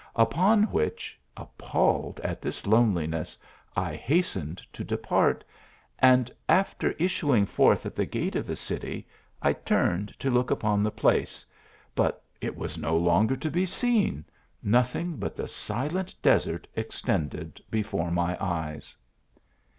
Upon which, appalled at this loneliness, I hastened to depart, and, after issuing forth at the gate of the city, I turned to look upon the place, but it was no longer to be seen, nothing but the silent desert extended before my eyes.